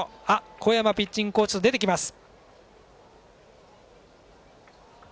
小山ピッチングコーチと出てきます。